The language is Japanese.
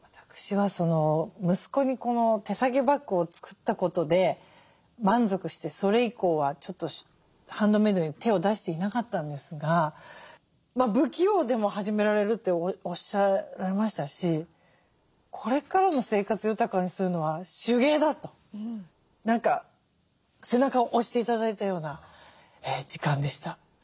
私は息子にこの手提げバッグを作ったことで満足してそれ以降はちょっとハンドメードに手を出していなかったんですがまあ不器用でも始められるっておっしゃられましたしこれからの生活を豊かにするのは手芸だと何か背中を押して頂いたような時間でした。